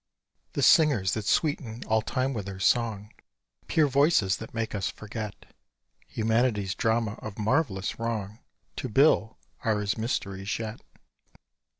The singers that sweeten all time with their song Pure voices that make us forget Humanity's drama of marvellous wrong To Bill are as mysteries yet.